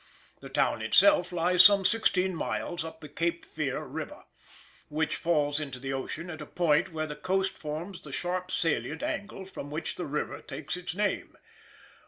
The town itself lies some sixteen miles up the Cape Fear river, which falls into the ocean at a point where the coast forms the sharp salient angle from which the river takes its name.